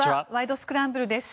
スクランブル」です。